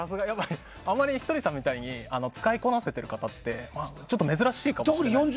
あまりひとりさんみたいに使いこなせている方ってちょっと珍しいかもしれません。